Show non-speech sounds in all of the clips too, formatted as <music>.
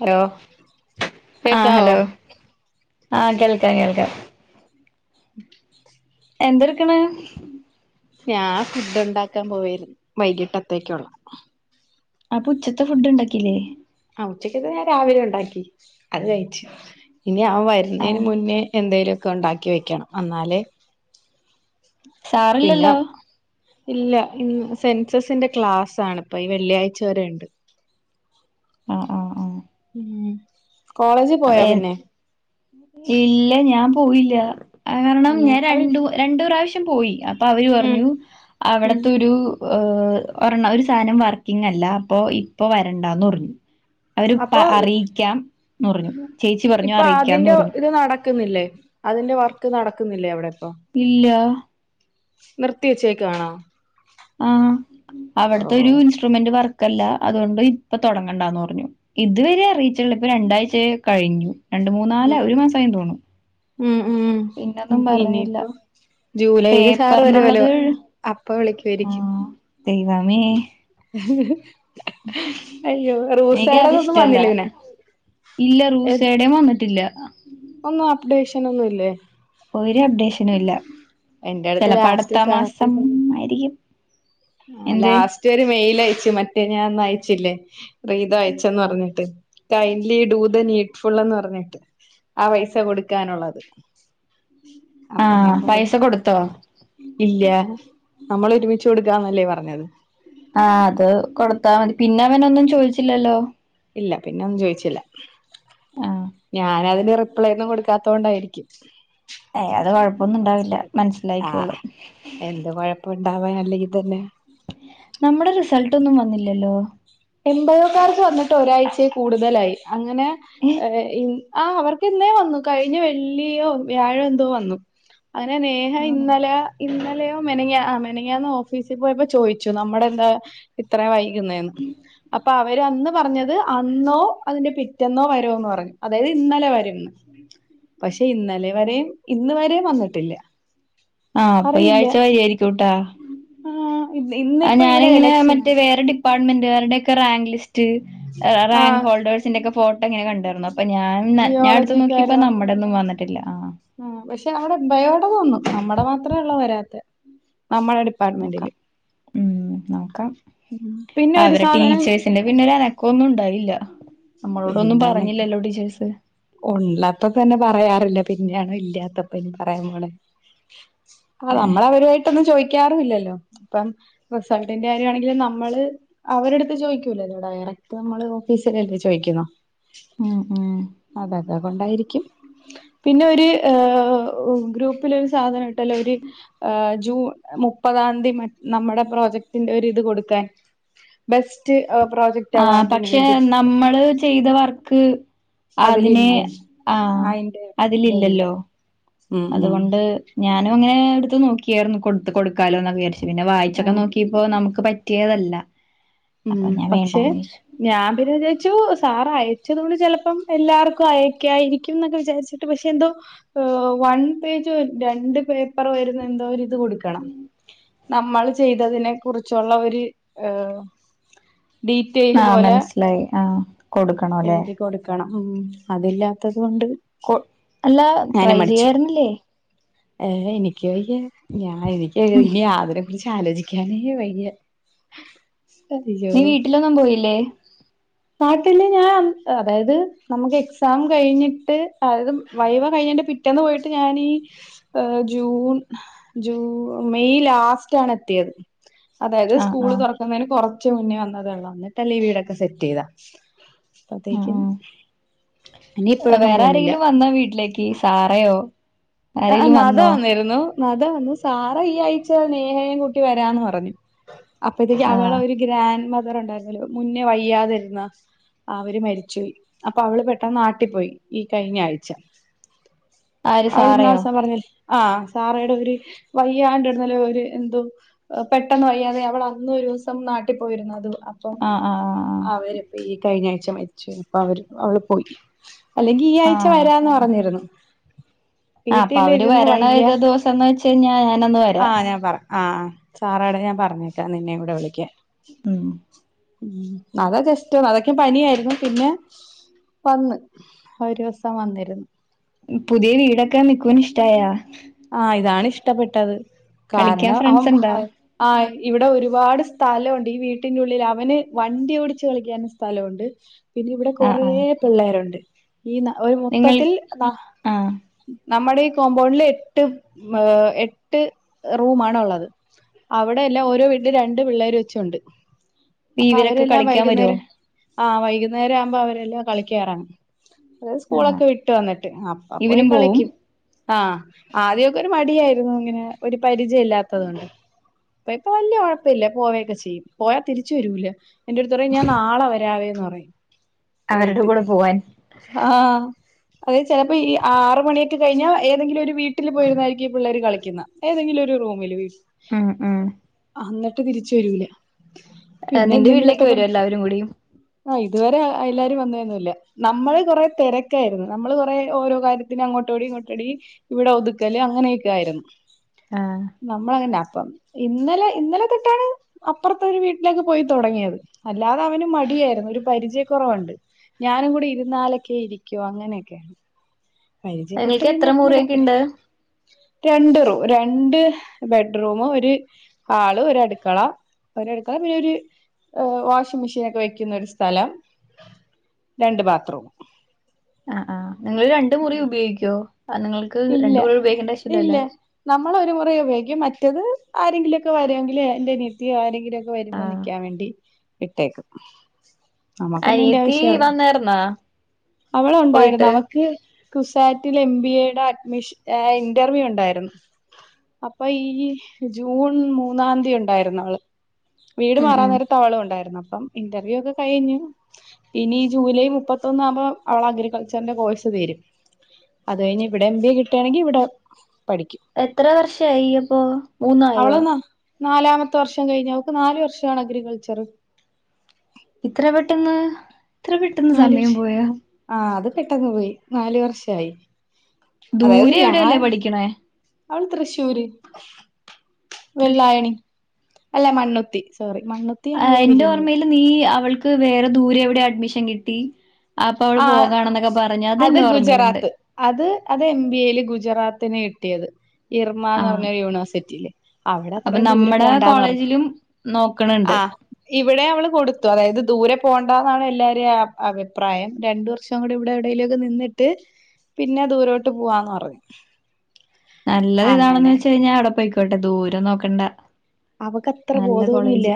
Hello ആഹ് കേക്കാവോ hello ആഹ് കേൾക്കാം കേൾക്കാം ഉ എന്തട്ക്ണ് ഞാൻ ഫുഡ്ണ്ടാക്കാൻ പോവായിരുന്നു വൈകിട്ടത്തേക്കുള്ള അപ്പൊ ഉച്ചത്തെ ഫുഡ്ണ്ടാക്കില്ലേ ആഹ് ഉച്ചക്കത്തെ ഞാൻ രാവിലെ ഉണ്ടാക്കി അത് കഴിച്ചു ഇനി അവൻ വരുന്നന് ആഹ് മുന്നേ എന്തേലൊക്കെ ഉണ്ടാക്കി വയ്ക്കണം എന്നാലെ പിന്നെ സാറില്ലല്ലോ ഇല്ല ഇന് സെൻസസിന്റെ ക്ലാസ് ആണുപ്പോ ഈ വെള്ളിയഴ്ച വരെ ഇണ്ട് ആഹ് ആഹ് ആഹ് ഉം കോളേജ് അപ്പയാൻ ഇല്ല ഞാൻ പോയില്ല അഹ് കാരണം അങ്ങനെ ഞാൻ അവര് രണ്ടു രണ്ടു പ്രാവശ്യം പോയി അപ്പൊ അവര് ഉം പറഞ്ഞു ഉം അവിടത്തൊരു ഹ്‌ ഒരെണ്ണം ഒരു സാനം വർക്കിങ് അല്ല അപ്പൊ ഇപ്പൊ വരണ്ടാന്ന് പറഞ്ഞു അവര് പ അപ്പൊ അറിയിക്കാംന്ന് പറഞ്ഞു ചേച്ചി പറഞ്ഞു ഇപ്പൊ അറിയിക്കാന്ന് അതിന്റെ പറഞ്ഞു ഇത് നടക്കുന്നില്ലേ അതിന്റെ വർക്ക് നടക്കുന്നില്ലേ അവിടെ ഇപ്പൊ ഇല്ലാ നിർത്തിവച്ചേക്കാണോ ആഹ് അവിടുത്തെ ഒരു ഇൻസ്ട്രുമെന്റ് വർക്കല്ല അതുകൊണ്ട് ഇപ്പൊ തുടങ്ങണ്ടന്ന് പറഞ്ഞു ഇതുവരെ അറിയിച്ചുള്ള ഇപ്പൊ രണ്ടാഴ്ച കഴിഞ്ഞു രണ്ട് മൂന്നാല ഉം ഒരു മാസായി തോന്നു ഉം ഉം പറഞ്ഞില്ല ഇനിപ്പൊ ജൂലൈയില് സാർ വരോലോ പേപ്പറിനുള്ളത് അപ്പ വിളിക്കുവായിക്കും ആഹ് ദൈവമേ അയ്യോ റൂസായിടതൊന്നും എനിക്കതിഷ്ടല്ല. വന്നില്ലങ്ങനെ ഇല്ല റൂസടേയും വന്നിട്ടില്ല ഒന്നും അപ്ഡേഷൻ ഒന്നുംല്ലേ ഒരു അപ്ഡേഷനും ഇല്ല എന്റെ അടുത്ത് ചിലപ്പോ ലാസ്റ്റ് അടുത്ത സാർ മാസം ആയിരിക്കും എന്ത് റ്റര് മെൽ അയച്ചു മറ്റേ ഞാൻ ഒന്ന അയച്ചില്ലേ റീത് അയച്ചന്ന് പറഞ്ഞിട്ട് ടൈ ലി ഡൂ ദ നീറ്റ്ഫുൾ എന്ന് പറഞ്ഞിട്ട് ആ പൈസ കൊടുക്കാനുള്ളത് ആഹ് പൈസ കൊടുത്തോ ഇല്ലഹ് നമ്മൾ ഒരുമിച്ച് കൊടുക്കാന്നല്ലേ പറഞ്ഞത് ആഹ് അത് കൊടുത്താൽ മതി പിന്നെ അവനൊന്നും ചോദിച്ചില്ലല്ലോ ഇല്ല പിന്ന ഒന്നും ചോയിച്ചില്ല ആഹ് ഞാനതിന്റെ പപ്പളൊന്നും കൊടുക്കാതോണ്ടയിക്കും ഏയ് അത് കൊഴപ്പൊന്നും ഉണ്ടാവില്ല ആഹ് മനസ്സിലായിക്കോള്ളൂ എന്ത് കൊഴപ്പണ്ടാവാൻ അല്ലെങ്കിൽ തന്നെ നമ്മുടെ റിസൾട്ട് ഒന്നും വന്നില്ലല്ലോ എൺപതോക്കാർക്ക് വന്നിട്ട് ഒരാഴ്ചയിൽ കൂടുതലായി അങ്ങനെ ഏ ആഹ് അവർക്ക് എന്നേ വന്നു കഴിഞ്ഞ വെള്ളിയോ വ്യാഴോ എന്തോ വന്നു അങ്ങനെ നേഹ ആണോ ഇന്നലെ ഇന്നലെയോ മെനഞാ അ മെനഞാന്ന് ഓഫീസിൽ പോയപ്പോ ചോദിച്ചു നമ്മുടെ എന്താ ഇത്രയും വൈകുന്നേന്ന് അപ്പൊ അവര് അന്ന് പറഞ്ഞത് അന്നോ അതിന്റെ പിറ്റെന്നോ വരമോന്ന് പറഞ്ഞു അതായത് ഇന്നലെ വരും പക്ഷെ ഇന്നലെ വരെയും ഇന്ന് വരെയും വന്നിട്ടില്ല ആഹ് അപ്പൊ ഈ അറിയില്ല ആഴ്ച കയ്യാ ആയിരിക്കും ട്ടാ ആഹ് ആഹ് ഇന്നിപ്പോ ഇവിടെ ഞാനിങ്ങനെ എലക്ഷനാ മറ്റേ വേറെ ഡി അപ്പാർട്ട്മെന്റുകാടെന്റെ ഒക്കെ റാങ്ക് ലിസ്റ്റ് ആഹ് റാങ് ഹോൾഡേഴ്സിന്റെ ഒക്കെ ഫോട്ടോ അങ്ങനെ കണ്ടായിരുന്നു അ അപ്പൊ ഞാൻ ഞാൻ അടുത്ത ജിയോളജിക്കാര് നോക്കിപ്പ നമ്മുടെ ഒന്നും വന്നിട്ടില്ല ആഹ് ആഹ് പക്ഷെ അവിടെ ഭയടെ വന്നു നമ്മുടെ മാത്രമേ ഉള്ള വരാത്തെ നമ്മടെ ഡിപ്പാർട്ട്മെന്റില് നോക്കാം ഉം നോക്കാം പിന്നെ ഒരു അവരെ സാധനം ടീച്ചേഴ്സിന്റെ പിന്നര് അനക്കം ഒന്നും ഉണ്ടായില്ല എന്താ ന്നേട്ട് ടിചേൾസ് ഉള്ളാത്ത തന്നെ പറയാറില്ല പിന്നെയണോ ഇല്ലാത്തപ്പ ഇനി പറയാൻ പോണെ ആഹ് ഏഹ് നമ്മൾ അവരുയിട്ടൊന്നും ചോയ്ക്കാറുല്ലല്ലോ അപ്പം റിസൾട്ടിന്റെ കാര്യമാണെങ്കില് നമ്മള് അവരെടുത്ത് ചോയിക്കൂലല്ലോ ഡയറക്റ്റ് നമ്മള് ഓഫീസിലല്ലേ ചോദിക്കള്ളൂ ഉം ഉം അതെ അതെ അതുകൊണ്ടായിരിക്കും പിന്നെ ഒരു ഗ്രൂപ്പിലൊരു സാധനം ഇട്ടല്ലോ ഒരു ജൂൺ മുപ്പതാം തീ നമ്മുടെ പ്രോജക്ടിന്റെ ഒരിത് കൊടുക്കാൻ ബെസ്റ്റ് പ്രോജക്ട് ആ അവാർഡിന് പക്ഷെ വേണ്ടി നമ്മള് ചെയ്തവർക്ക് അതിനെ അതിലില്ലേ ആഹ് അയിന്റെ ഇതല്ലേ അതിലില്ലല്ലോ ഉം അതുകൊണ്ട് ഞാനും അങ്ങനെ എടുത്ത് നോക്കിയായിരുന്നു കൊടുത്ത് കൊടുക്കാലോന്ന് വിചാരിച്ചു പിന്നെ വായിച്ചൊക്കെ ഉം നോക്കി ഇപ്പോ നമുക്ക് പറ്റിയതല്ല ഉം അപ്പൊ ഞാൻ പക്ഷെ വേണ്ടാന്ന് വെച്ചു ഞാൻ പിന്നെ വിചാരിച്ചു സാർ അയച്ചത കൊണ്ട് ചിലപ്പം എല്ലാർക്കും അയക്കായിരിക്കും എന്നൊക്കെ വിചാരിച്ചു ട്ട് പക്ഷെ എന്തോ വൺ പേജോ രണ്ട് പേപ്പറോ വരുന്ന എന്തോ ത് കൊടുക്കണം നമ്മൾ ചെയ്തതിനെ കുറിച്ചുള്ള ഒര് ഏഹ് ഡീറ്റെയിൽ ആഹ് പോലെ മനസ്സിലായി ആഹ് കൊടുക്കണോല്ലെ എഴുതി കൊടുക്കണം ഉം അതില്ലാത്തത് കൊണ്ട് കൊ അല്ലാ ട്രൈ ഞാനും മടിച്ചു ചെയ്യായിരുന്നില്ലേ ഏഹ് എനിക്ക് വയ്യ ഞാൻ എനിക്ക് ഇനി ആവിടെ കുറിച്ച് ആലോചിക്കാനേ വയ്യ നീ അയ്യോ വീട്ടിലൊന്നും പോയില്ലേ നാട്ടില് ഞാൻ അതായത് നമുക്ക് എക്സാം കഴിഞ്ഞിട്ട് അതായത് വൈവ കഴിഞ്ഞേന്റെ പി റ്റെന്ന് പോയിട്ട് ഞാനീ ഏഹ് ജൂൺ ജൂ മെയ് ലാസ്റ്റ് ആണ് എത്തിയത് അതായത് ആ ആ സ്കൂള് തൊറക്കുന്നേന് കൊറച്ച് മുന്നേ വന്നതേ ഉള്ളൂ എന്ന്ട്ടല്ലേ ഈ വീടൊക്കെ സെറ്റ് ചെയ്തെ ഉം അപ്പത്തേക്കും ഉം ഇനി ഇപ്പഴൊന്നും പോണില്ല അന്നാ വീട്ടിലേക്ക് ഈ സാറയോ അ ആഹ് ആരെങ്കിലും നദ വന്നോ വന്നിരുന്നു നദ വന്നു സാറ ഈ ആഴ്ച്ച നേഹയും കൂട്ടി വരാന്ന് പറഞ്ഞു അപ്പഴത്തേക്ക് ആ അവളെ ഒരു ഗ്രാൻഡ് മദർ ഉണ്ടായിരുന്നല്ലോ മുന്നേ വയ്യാതിരുന്ന അവര് മരിച്ച് പോയി അപ്പൊ അവള് പെട്ടെന്ന് നാട്ടിപ്പോയി ഈ കഴിഞ്ഞ ആഴ്ച ആര് സാറയോ അവളിന്നാളൊരീസം പറഞ്ഞില്ലേ ആഹ് സാറയുടെ ഒരു വയ്യാണ്ട് ഇടുന്നല് ഒര് എന്തോ പെട്ടെന്ന് വയ്യാതെ അവൾ അന്നൊരൂസം നാട്ടിൽ പോയിരുന്നു അത് അ പ്പം ആഹ് ആഹ് അവര്പ്പ ഈ കഴിഞ്ഞ ആഴ്ച മരിച്ചോയിപ്പൊ അവര് അവള് പോയി അല്ലെങ്കി ഈ ആഹ് ആഴ്ച ആഹ് വരാന്ന് പറഞ്ഞിരുന്നു ആഹ് അപ്പൊ അവര് വീട്ടിലിരുന്നു വരണ വയ്യ ഏത് ദിവസംന്ന് വെച്ച് കഴിഞ്ഞാ ഞാനൊന്ന് വരാം ആഹ് ഞാൻ പറ ആഹ് ആഹ് സാറേടെ ഞാൻ പറഞ്ഞേക്കാം നിന്നെ കൂടെ വിളിക്കാൻ ഉം ഉം അവ ജസ്റ്റ് അവക്ക് പനിയായിരുന്നു പിന്നെ വന്ന് ഒരൂസം വന്നിരുന്നു ഉം പുതിയ വീടൊക്കെ മിക്കൂന് ഇഷ്ടായ ആഹ് ഇതാണ് ഇഷ്ടപ്പെട്ടത് കളിക്കാൻ കാരണം അവൻ ഫ്രണ്ട്സ് ഇണ്ടാ പറയാ ആഹ് ഇവിടെ ഒരുപാട് സ്ഥലമുണ്ട് ഈ വീട്ടിന്റെ ഉള്ളില് അവന് വണ്ടി ഓടിച്ച് കളിക്കാൻ സ്ഥലമുണ്ട് പിന്നെ ഇവിടെ ആഹ് കൊറേ ആഹ് പിള്ളേരുണ്ട് ഈ ന്നാ ഒരു നിങ്ങൾ മൊത്തത്തിൽ ആഹ് ന നമ്മടെ ഈ കോമ്പൗണ്ടില് എട്ട് എട്ട് റൂമാണ് ഉള്ളത് അവിടെ എല്ലാം ഓരോ വീട്ടിലും രണ്ട് പിള്ളേര് വെച്ചുണ്ട് അപ്പൊ ഇവരൊക്കെ അവരെല്ലാം കളിക്കാൻ വരുവോ വൈകുന്നേരം ആഹ് വൈകുന്നേരം ആവുമ്പോ അവരെല്ലാം കളിക്കായിറങ്ങും ഇവര് ആഹ് സ്കൂളൊക്കെ വിട്ടു വന്നിട്ട് അപ്പ പോയി ഇവനും പോവും കളിക്കും ആഹ് ആദ്യൊക്കെ ഒരു മടിയായിരുന്നു ഇങ്ങനെ ഒരു പരിചയം ഇല്ലാത്തത് കൊണ്ട് പ്പ ഇപ്പൊ വല്യ കൊഴപ്പില്ല പോവക്കെ ചെയ്യും പോയാതിരിച്ചു വരൂല എന്റെടുത്ത് പറയും ഞാൻ നാളെ വരാവേന്ന് പറയും അവരുടെ പോയിട്ട് കൂടെ പോവാൻ ആഹ് അത് ചെലപ്പോ ഈ ആറ് മണിയൊക്കെ കഴിഞ്ഞ ഏതെങ്കിലും ഒരു വീ ട്ടില് പോയിരുന്നായിരിക്കും ഈ പിള്ളേര് കളിക്കുന്നെ ഏതെങ്കിലും ഒരു റൂമില് ഉം ഉം അങ്ങട്ട് തിരിച്ച് വരൂല പിന്നെ നിന്റെ വീട്ടിലേക്ക് എന്തെങ്കിലൊക്കെ വരും പറഞ് എല്ലാവരും കൂടി ആഹ് ഇതുവരെ എല്ലാവരും വന്നേന്നുല്ല നമ്മള് കൊറേ തെരക്കായിരുന്നു നമ്മള് കൊറേ ഓരോ കാര്യത്തിനു അങ്ങോട്ടോടി ഇങ്ങോട്ടോടി ഇവിടെ ഒതു കലേ അങ്ങനെയൊക്കെ ആയിരുന്നു ആഹ് നമ്മളങ്ങനെ അപ്പം. ഇന്നലെ ഇന്നലെ തൊട്ടാണ് അപ്പുറത്തെ ഒരു വീട്ടിലേക്ക് പോയി തുടങ്ങിയത്. അല്ലാതെ അവന് മടിയായിരുന്നു. ഒരു പരിചയക്കുറവുണ്ട്. ഞാനും കൂടി ഇരുന്നാലൊക്കെ ഇരിക്കു. അങ്ങനെയൊക്കെയാണ് പരിചയപ്പെട്ടു നിങ്ങൾക്ക് കഴിഞ്ഞാ എത്ര പിന്നെ മുറിയൊക്കെ കൊഴപ്പില്ല. ഇണ്ട് രണ്ട് റൂ രണ്ട് ബെഡ്റൂമ് ഒരു ഹാള് ഒരടുക്കള. ഒരടുക്കള പിന്നെ ഒരു ഓ വാഷിംഗ്‌ മെഷീനൊക്കെ വെയ്ക്കുന്ന ഒരു സ്ഥലം. രണ്ട് ബാത്ത്റൂം. ആഹ് ആഹ്. നിങ്ങള് രണ്ട് മുറിയും ഉപയോഗിക്കോ? നിങ്ങൾക്ക് രണ്ട് മുറി ഉപയോഗിക്കേണ്ട ആവശ്യല്ലല്ലോ? നമ്മളൊരു മുറി ഉപയോഗിക്കും. മറ്റത് ആരെങ്കിലുമൊക്കെ വരുമെങ്കിൽ എന്റെ അനിയത്തിയോ ആരെങ്കിലും വരുമ്പോ ആഹ് നിക്കാൻ വേണ്ടി ഇട്ടേക്കും. നമ്മക്കൊന്നിന്റെ അനിയത്തി ആവശ്യള്ളോ. വന്നായിരുന്നാ അവള് ഉണ്ടായിരുന്നു പോയിട്ട് അവക്ക് ക്ക് കുസാറ്റിൽ എം ബി എയുടെ അഡ്മിഷൻ ഏ ഇന്റർവ്യൂ ഉണ്ടായിരുന്നു. അപ്പൊ ഈ ജൂൺ മൂന്നാതീ ഉണ്ടായിരുന്നു അവള്. വീട് ഉം മാറാൻ ഉം നേരത്തവളും ഉണ്ടായിരുന്നു. അപ്പം ഇന്റർവ്യൂ ഒക്കെ കഴിഞ്ഞു. ഇനി ഈ ജൂലൈ മുപ്പത്തൊന്നാകുമ്പോ അവളെ അഗ്രികൾച്ചറിന്റെ കോഴ്സ് തീരും. അത് കഴിഞ്ഞ് ഇവി എം ബി എ കിട്ടയാണെങ്കി ഇവിടെ പഠിക്കും എത്ര വർഷായി അപ്പോ മൂന്നായോ? അവള് ന നാലാമത്തെ വർഷം കഴിഞ്ഞു. അവക്ക് നാല് വർഷാണ് അഗ്രികൾച്ചർ. ഇത്ര പെട്ടെന്ന് ഇത്ര പെട്ടെന്ന് സമയം പോയാ. ആ അത് പെട്ടെന്ന് പോയി. നാല് വർഷായി. അതായത് ദൂരെ എവിടെയല്ലേ ഞാൻ പഠിക്കണേ അവള് തൃശ്ശൂര്. തൃശൂ വെള്ളായണി. അല്ല മണ്ണുത്തി സോറി മണ്ണുത്തി. ആ എന്റെ ഓർമ്മയില് നീ അവൾക്ക് വേറെ ദൂരെ എവിടെയൊ അഡ്മിഷൻ കിട്ടി അപ്പൊ അവള് ആഹ് പോകാണന്നൊക്കെ പറഞ്ഞ്. അത് എന്റെ ഓർമ്മയിലുണ്ട്. അത് അത് എം ബി എയില് ഗുജറാത്തിന് കിട്ടിയത്. ഇർമാന്ന് ആഹ് പറഞ്ഞൊരു യൂണിവേഴ്സിറ്റിയില്. അവിടെ അപ്പൊ അത്രയും ദൂരെ നമ്മടെ പോണ്ടാന്ന് പറഞ്ഞു. കോളേജിലും നോക്കണണ്ട് ആ ഇവിടെ അവള് കൊടുത്തു അതായത് ദൂരെ പോണ്ടാന്നാണ് എല്ലാരെയും അഭിപ്രായം. രണ്ട് വർഷം കൂടി ഇവിടെ എവിടേലു ഒക്കെ നിന്നിട്ട് പിന്നെ ദൂരോട്ട് പോവാന്ന് പറഞ്ഞു. നല്ലത് ഏതാണെന്ന് അങ്ങനെ വെച്ച അവിടെ കഴിഞ്ഞാൽ പോയിക്കോട്ടെ ദൂരം നോക്കണ്ട. അവക്കത്ര നല്ല ബോധമൊന്നുല്ല. കോളേജ്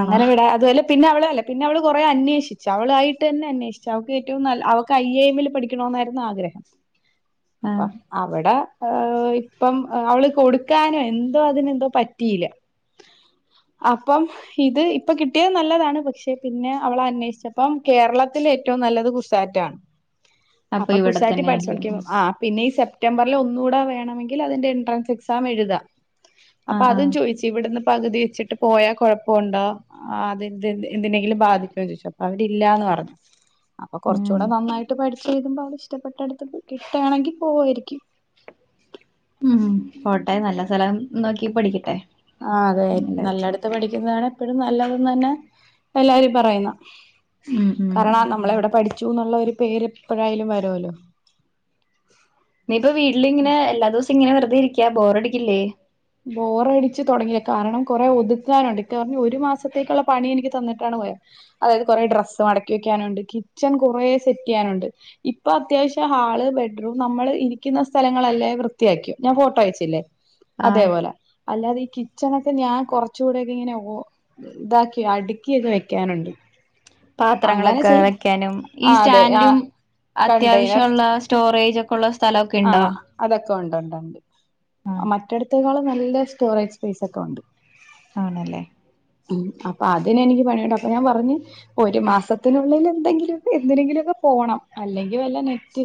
ആണോ വിടാ അതുപോലെ പിന്നെ അവള് അല്ല പിന്ന അവൾ കുറേ അന്വേഷിച്ചു അവളായിട്ട് തന്നെ അന്വേഷിച്ചു അവക്ക് കിട്ടിയകൊണ്ട് നല്ല അവൾക്ക് ഐ എ എമ്മിൽ പഠിക്കണം എന്നായിരുന്നു ആഗ്രഹം. ആഹ് അപ്പം അവിടെ ഏഹ് ഇപ്പം അവള് കൊടുക്കാനോ എന്തോ അതിനെന്തോ പറ്റിയില്ല. അപ്പം ഇത് ഇപ്പൊ കിട്ടിയത് നല്ലതാണ് പക്ഷെ പിന്നെ അവള് അന്വേഷിച്ചപ്പം കേരളത്തില ഏറ്റവും നല്ലത് കുസാറ്റാണ്. <inaudible> അപ്പൊ ഇവിടെ കുസാറ്റിൽ തന്നെ ആയിരിക്കും പഠിച്ചോണ്ടിരിക്കുന്നു. ആ പിന്നെ ഈ സെപ് സെപ്റ്റംബറിൽ ഒന്നുകൂടെ വേണമെങ്കിൽ അതിന്റെ എൻട്രൻസ് എക്സാം എഴുതാം. അപ്പൊ ആഹ് അതും ആഹ് ചോയിച്ചു ഇവിടുന്ന് പകുതി വെച്ചിട്ട് പോയാ കുഴപ്പമുണ്ടോ? ആഹ് അത് എന്തിനെങ്കിലും ബാധിക്കോ ചോയിച്ചു. അപ്പൊ അവരില്ലാന്ന് പറഞ്ഞു. അപ്പൊ കൊറച്ചുകൂടെ ഉം നന്നായിട്ട് പഠിച്ച് എഴുതുമ്പോൾ അവള് ഇഷ്ടപ്പെട്ടിടുത്ത് കിട്ടുകയാണെങ്കിൽ പോവായിരിക്കും. ഉം പോട്ടെ നല്ല സ്ഥലം നോക്കി പഠിക്കട്ടെ. ആഹ് അതെ നല്ലത് നല്ലടുത്ത് പഠിക്കുന്നതാണ് എപ്പോഴും നല്ലതെന്ന് തന്നെ എല്ലാരും പറയുന്ന്. ഉം ഉം കാരണം ആ നമ്മളെവിടെ പഠിച്ചു എന്നുള്ള ഒരു പേര് എപ്പോഴായാലും വരുമല്ലോ. നീയിപ്പൊ വീട്ടിലിങ്ങനെ എല്ലാ ദിവസം ഇങ്ങനെ വെറതെ ഇരിക്കാ ബോർ അടിക്കില്ലേ ബോറടിച്ച് തുടങ്ങിയില്ല കാരണം കുറെ ഒതുക്കാനുണ്ട് ഇക്ക പറഞ്ഞഞ് ഒരു മാസത്തേക്കുള്ള പണി എനിക്ക് തന്നിട്ടാണ് പോയത് അതായത് കുറെേ ഡ്രസ്സ് മടക്കി വെക്കാനുണ്ട് കിച്ചൺ കുറെ സെറ്റെയ്യാനുണ്ട് ഇപ്പൊ അത്യാവശ്യം ഹാള് ബെഡ്റൂം നമ്മൾ ഇരിക്കുന്ന സ്ഥലങ്ങളല്ലേ വൃത്തിയാക്കി ഞാൻ ഫോട്ടോ അയച്ചില്ലേ ആഹ് അതേപോലെ അല്ലാതെ ഈ കിച്ചണൊക്കെ ഞാൻ കുറച്ചുകൂടെക്കെ ഇങ്ങനെ ഓ ഇതാക്കി അടുക്കി ഒക്കെ വെക്കാനുണ്ട് അങ്ങനെ പാത്രങ്ങളൊക്കെ ചെയ് വയ്ക്കാനും ഈ ആ അതെ ആ സ്റ്റാൻഡും അത്യാവശ്യള്ള സ്റ്റോറേജ് ഒക്കെള്ള ആഹ് അതൊക്കെ ഒണ്ട് ഒണ്ട് ഒണ്ട് ആഹ് മറ്റടുത്തേക്കാളും നല്ല സ്റ്റോറേജ് സ്പേസ് ഒക്കെ ഉണ്ട് ആണല്ലേ ഉം അപ്പൊ അതിനെ എനിക്ക് പണിയുണ്ട് അപ്പൊ ഞാൻ പറഞ്ഞു ഒരു മാസത്തിനുള്ളിൽ എന്തെങ്കിലും എന്തിനെങ്കിലും ഒക്കെ പോണം അല്ലെങ്കിൽ വല്ല നെറ്റ്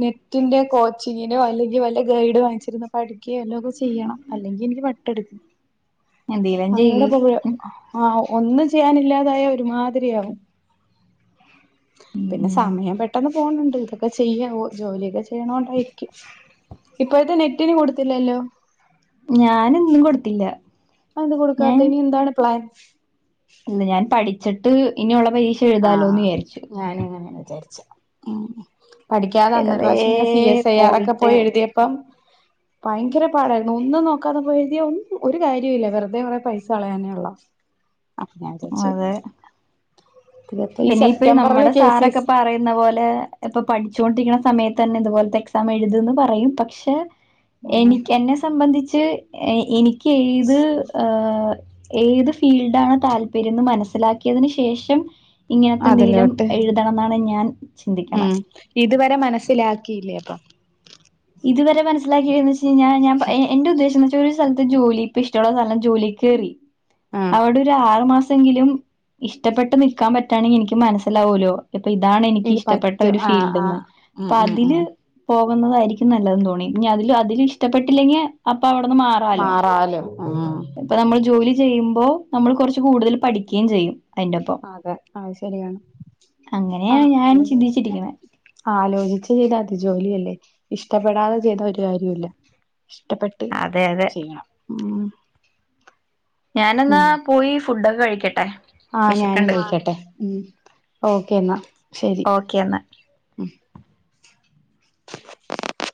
നെറ്റിന്റെ കോച്ചിങ്ങിനോ അല്ലെങ്കിൽ വല്ല ഗൈഡ് വാങ്ങിച്ചിരുന്ന് പഠിക്കുക്കേ എന്തോലും ഒക്കെ ചെയ്യണം അല്ലെങ്കിൽ എനിക്ക് വട്ട് എടു ഉം <inaudible> എന്തെലും ചെയ്യ് അവരോടപ്പ ആഹ് ഒന്നും ചെയ്യാനില്ലാതായ ഒരുമാതിരിയാവും പിന്നെ ഉം സമയം പെട്ടന്ന് പോണുണ്ട് ഇതൊക്കെ ചെയ്യാം ജോലിയൊക്കെ ചെ ചെയ്യണോണ്ട് ആയിരിക്കും ഇപ്പോഴത്തെ നെറ്റിന് കൊടുത്തില്ലല്ലോ ഞാനൊന്നും കൊടുത്തില്ല എന്താണ് കൊടുക്കാത്ത ഇനി എന്താണ് പ്ലാൻ ഇല്ല ഞാൻ പഠിച്ചിട്ട് ഇനിയുള്ള പരീക്ഷ എഴുതാലോ ആഹ് എന്ന് വിചാരിച്ചു ഞാനും അങ്ങനെയാ വിചാരിച്ച ഉം പഠിക്കാതെ അന്ന് ഒരു വെറുതെ പ്രാവശ്യം ഞാൻ സി എസ് ഐ ആർ ഒക്കെ പോയിട്ട് പോയി എഴുതിയപ്പം ഭയങ്കര പാടായിരുന്നു ഒന്നും നോ ഒന്നും നോക്കാതെ പോയി എഴുതിയ ഒന്നും ഒരു കാര്യം ഇല്ല വെറുതെ കുറെ പൈസ കളയന്നെ ഉള്ളു അപ്പൊ ഞാൻ വിചാരിച്ച് അതെ ഇതിപ്പോ ഈ പിന്നെ ഇപ്പ സെപ്റ്റംബറില് നമ്മുടെ കെ സി സാറൊക്കെ എസ് പറയുന്ന പോലെ ഇപ്പൊ പഠിച്ചോണ്ടിരിക്കുന്ന സമയത്തന്നെ ഇതുപോലത്തെ എക്സാം എഴുതന്ന് പറയും പക്ഷെ ഉം എനിക്ക് എന്നെ സംബന്ധിച്ച് എനിക്ക് എഴ്ത് ഏഹ് ഏത് ഫീൽഡാണ് താല്പര്യം എന്ന് മനസ്സിലാക്കിയതിന് ശേഷം ഇങ്ങൻത്തെന്തെങ്കിലും അതിലോട്ട് എഴു തണം എന്നാണ് ഞാൻ ചിന്തിക്കണെ ഉം ഇതുവരെ മനസ്സിലാക്കിയില്ലേ അപ്പൊ ഇതുവരെ മനസ്സിലാക്കിയന്ന് വെച്ച് കഴിഞ്ഞാ ഞാൻ എന്റെ ഉദേശ്യം ഈ ഒരു സ്ഥലത്ത് ജോലി ഇപ്പ ഇഷ്ടമുള്ള സ്ഥലം ജോലി കയറി ആഹ് അവിടെ ഒരു ആറു മാസ് എങ്കിലും ഇഷ്ടപ്പെട്ട് നിൽക്കാൻ പറ്റാണെങ്കിൽ എനിക്ക് മനസ്സിലാവൂല്ലോ ഇപ്പൊ ഇതാണ് എനിക്ക് ഇത് ഇഷ്ടപ്പെട്ട പറ്റും ഒരു ആഹ് ഫീൽഡ്ന്ന് ആഹ് ഉം അപ്പൊ ഉം ഉം അതില് പോകുന്നതായിരിക്കും നല്ലതെന്ന് തോന്നി ഇനി അതി അതില് ഇഷ്ടപ്പെട്ടില്ലെങ്കിൽ അപ്പൊ അവടെന്ന് മാ മാറാലും ആഹ് ഇപ്പൊ നമ്മൾ ജോലി ചെയ്യുമ്പോ നമ്മൾ കുറച്ച് കൂടുതൽ പഠിക്കേം ചെയ്യും അതിന്റൊപ്പം അതെ അത് ശരിയാണ് അങ്ങനെയാണ് ആഹ് ഞാൻ ചിന്തിച്ചിരിക്കണേ ആലോചിച്ച് ചെയ്താ മതി ജോലിയല്ലേ ഇഷ്ടപ്പെടാതെ ചെയ്ത ഒരു കാര്യോല്ല ഇഷ്ടപ്പെട്ട് അതെ അതെ ചെയ്യണം ഉം ഞാനെന്നാ പോയി ഫുഡൊക്കെ കഴിക്കട്ടെ ആഹ് ഞാനും വിശക്കണ്ട് കഴിക്കട്ടെ ഉം ഓക്കേന്നാ ശരി ഉം ഓക്കെന്നാ <inaudible>